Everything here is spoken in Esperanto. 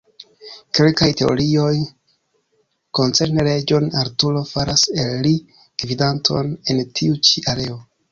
Kelkaj teorioj koncerne Reĝon Arturo faras el li gvidanton en tiu ĉi areo.